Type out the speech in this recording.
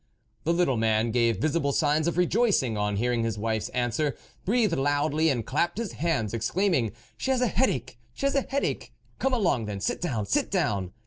The little man gave visible signs of re joicing on hearing his wife's answer, breathed loudly and clapped his hands, exclaiming :" She has a headache ! she has a head ache ! Come along then, sit down ! sit down